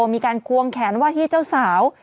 มีการควงแขนว่าที่เจ้าสาว